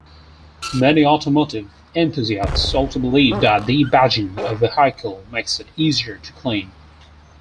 Many automotive enthusiasts also believe that debadging a vehicle makes it easier to clean.